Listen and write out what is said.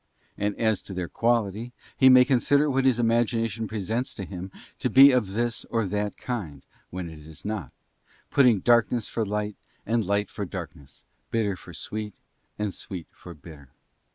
And as to their quality, he may consider what his imagination presents to him to be of this or that kind, when 'it is not; putting 'darkness for light, and light for darkness, bitter for sweet, and sweet for bitter.